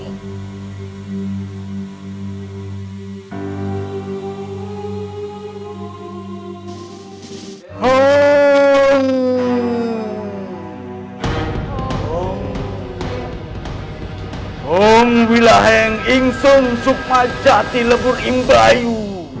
home home home home willaheng insung supaya jati lebur imba ayu